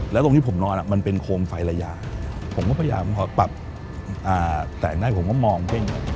แล้วตรงที่ผมนอนมันเป็นโคมไฟระยะผมก็พยายามพอปรับแต่งได้ผมก็มองเพ่ง